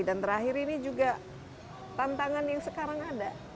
dan terakhir ini juga tantangan yang sekarang ada